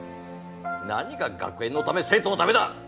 何が学園のため生徒のためだ。